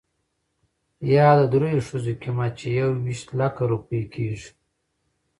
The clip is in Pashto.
يا د درېو ښځو قيمت، چې يويشت لکه روپۍ کېږي .